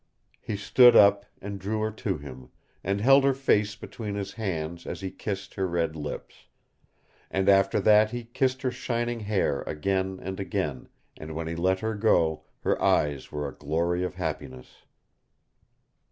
He stood up, and drew her to him, and held her face between his hands as he kissed her red lips; and after that he kissed her shining hair again and again, and when he let her go her eyes were a glory of happiness.